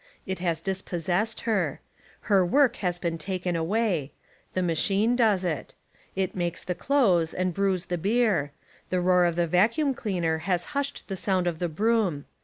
It has dispos sessed her. Her work has been taken away. The machine does it. It makes the clothes and brews the beer. The roar of the vacuum cleaner has hushed the sound of the broom.